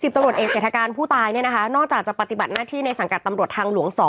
ตำรวจเอกเศรษฐการผู้ตายเนี่ยนะคะนอกจากจะปฏิบัติหน้าที่ในสังกัดตำรวจทางหลวง๒